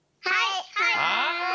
はい！